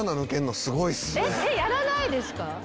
やらないですか？